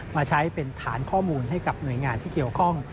มาใช้เป็นฐานข้อมูลให้กับหน่วยงานที่เกี่ยวข้อง